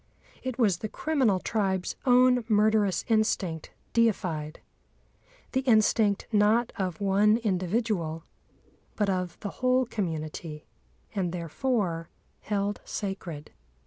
It was the criminal tribe's own murderous instinct deified—the instinct, not of one individual, but of the whole community, and therefore held sacred.